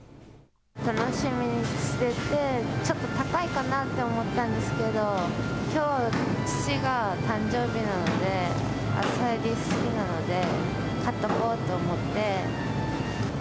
楽しみにしてて、ちょっと高いかなと思ったんですけど、きょう、父が誕生日なので、アサリ好きなので、買っとこうと思って。